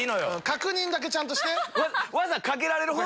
確認だけちゃんとして。